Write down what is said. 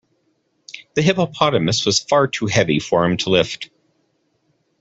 The hippopotamus was far too heavy for him to lift.